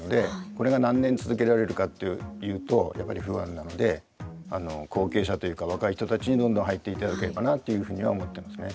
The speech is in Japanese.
これが何年続けられるかっていうとやっぱり不安なので後継者というか若い人たちにどんどん入っていただければなっていうふうには思ってますね。